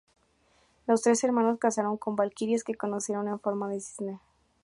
Los tres hermanos casaron con valquirias que conocieron en forma de cisne.